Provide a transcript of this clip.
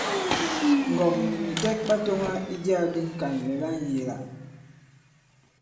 Ŋgɔ̀m nì mìtɛk ɓa tōŋa i jiā di Ŋkànlɛ̀ la ŋyēe-la.